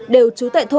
đều trú tệ thôi